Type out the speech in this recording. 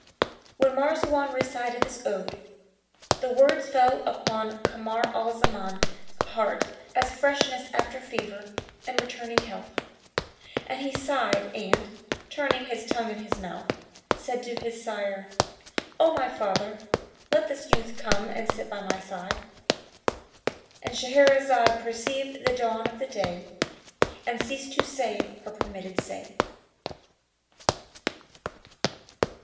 When Marzawan recited this ode, the words fell upon Kamar al Zaman's heart as freshness after fever and returning health; and he sighed and, turning his tongue in his mouth, said to his sire, "O my father, let this youth come and sit by my side."—And Shahrazad perceived the dawn of day and ceased to say her permitted say.